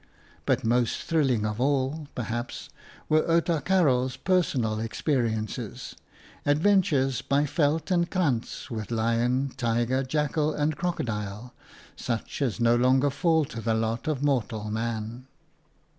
But most thrilling of all, perhaps, were Outa Karels personal experiences — adventures by veld and krantz with lion, tiger, jackal and crocodile, such as no longer fall to the lot of mortal man.